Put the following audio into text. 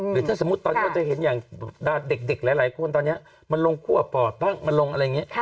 หรือถ้าสมมุติตอนนี้เราจะเห็นอย่างเด็กหลายคนตอนนี้มันลงคั่วปอดบ้างมันลงอะไรอย่างนี้